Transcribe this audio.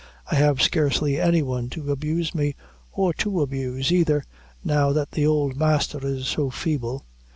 I have scarcely any one to abuse me, or to abuse, either, now that the ould masther is so feeble."